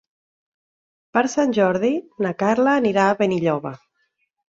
Per Sant Jordi na Carla anirà a Benilloba.